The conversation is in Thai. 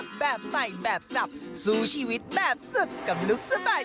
แบบใหม่แบบสับสู้ชีวิตแบบสุดกับลูกสบาย